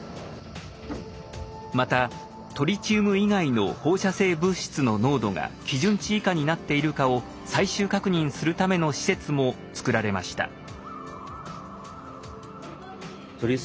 またトリチウム以外の放射性物質の濃度が基準値以下になっているかを最終確認するための施設も造られました。